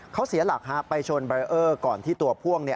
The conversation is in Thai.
เขาเสียหลักไปชนบารเออร์ก่อนที่ตัวพ่วง